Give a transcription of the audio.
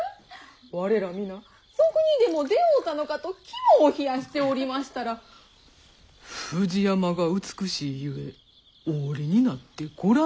我ら皆賊にでも出会うたのかと肝を冷やしておりましたら「富士山が美しいゆえお降りになってご覧なされませ」と。